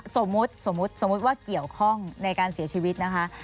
สมมุติสมมุติว่าเกี่ยวข้องในการเสียชีวิตนะคะ